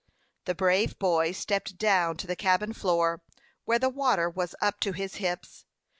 The brave boy stepped down to the cabin floor, where the water was up to his hips.